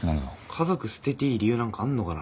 家族捨てていい理由なんかあんのかな？